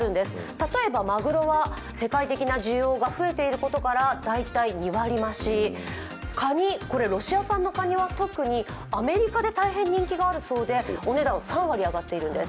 例えばまぐろは世界的な需要が増えていることから大体２割増。かに、ロシア産のかには特に、人気があるそうでお値段３割上がっているんです。